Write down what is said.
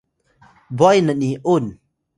bway ni’un